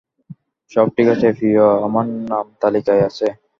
সব ঠিক আছে, প্রিয়, আমার নাম তালিকায় আছে।